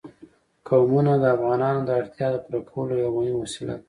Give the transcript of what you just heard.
قومونه د افغانانو د اړتیاوو د پوره کولو یوه مهمه وسیله ده.